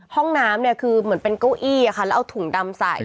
ห้องน้ำเนี่ยคือเหมือนเป็นเก้าอี้แล้วเอาถุงดำใส่